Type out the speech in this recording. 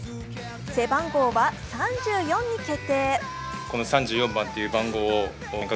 背番号は３４に決定。